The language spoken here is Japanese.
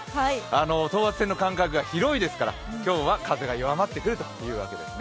等圧線の間隔が広いですから今日は風が弱まってくるというわけですね。